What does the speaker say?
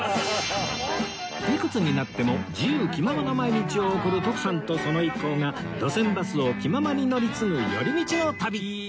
いくつになっても自由気ままな毎日を送る徳さんとその一行が路線バスを気ままに乗り継ぐ寄り道の旅